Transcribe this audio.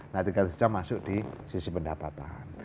nah tiga juta masuk di sisi pendapatan